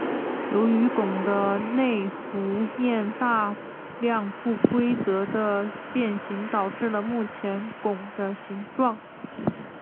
由于拱的内弧面大量不规则的变形导致了目前拱的形状。